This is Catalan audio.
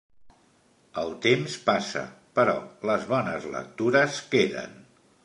El temps passa, però les bones lectures queden.